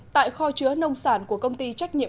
tại kho chứa nông sản của công ty trách nhiệm